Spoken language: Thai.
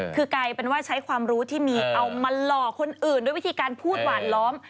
คือกลายเป็นว่าใช้ความรู้ที่มีเอามาหลอกคนอื่นด้วยวิธีการพูดหวานล้อม